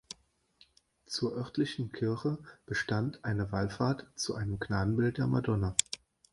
Zur örtlichen Kirche bestand eine Wallfahrt zu einem Gnadenbild der Madonna.